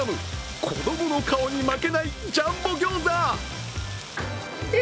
子供の顔に負けないジャンボギョーザ。